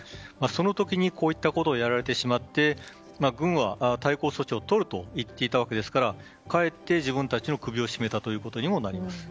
その時にこういったことをやられてしまって軍は対抗措置をとると言っていたわけですからかえって自分たちの首を絞めたということになります。